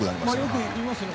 よく言いますよね